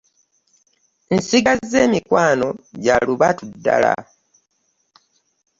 Nsigazza emikwano gya lubatu ddala.